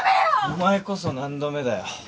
お前こそ何度目だよ。